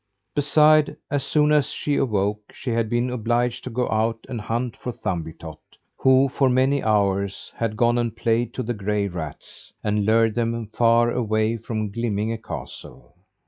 Beside, as soon as she awoke, she had been obliged to go out and hunt for Thumbietot, who, for many hours, had gone and played to the gray rats, and lured them far away from Glimminge castle.